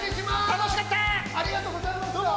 ◆楽しかった！